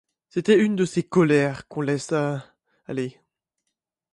C'était une de ces colères qu'on laisse aller.